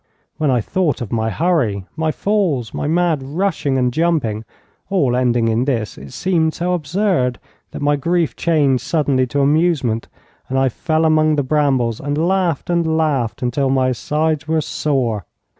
When I thought of my hurry, my falls, my mad rushing and jumping, all ending in this, it seemed so absurd, that my grief changed suddenly to amusement, and I fell among the brambles, and laughed, and laughed, until my sides were sore.